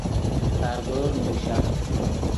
ساردور نوشا